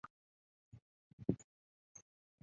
হারানবাবু কহিলেন, আমার এ প্রশ্নে রাগ করবেন না।